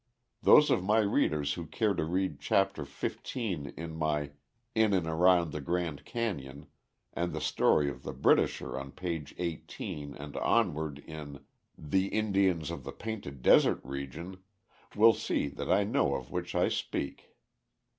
Those of my readers who care to read Chapter XV in my "In and Around the Grand Canyon," and the story of the Britisher on page 18 and onward in "The Indians of the Painted Desert Region," will see that I know that of which I speak.